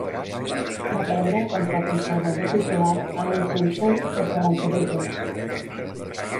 Va perdre contra el conservador titular Allen Thompson per quaranta-vuit vots.